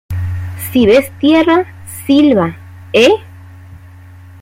si ves tierra, silba, ¿ eh?